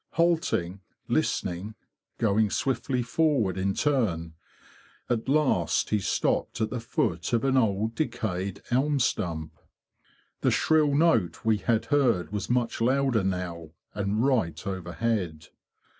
Halt ing, listening, going swiftly forward in turn, at last he stopped at the foot of an old decayed elm stump. The shrill note we had heard was much louder now, and right overhead.